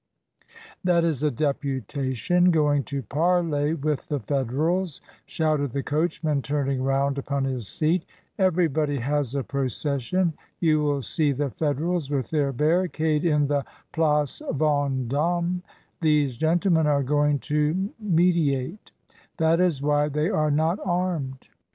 "That is a deputation going to parley with the Federals," shouted the coachman, turning round upon his seat "Everybody has a procession; you will see the Federals with their barricade in the Place Vend6me; these gentlemen are going to me diate; that is why they are not armed."